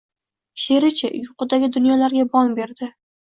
She’ri-chi, uyqudagi dunyolarga bong berdi